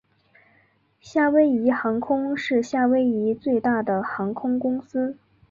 夏威夷航空是夏威夷最大的航空公司。